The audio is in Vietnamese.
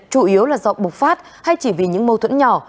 chủ yếu là do bục phát hay chỉ vì những mâu thuẫn nhỏ